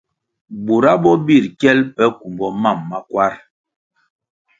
Bura bo birʼ kyel pe kumbo mam ma kwarʼ.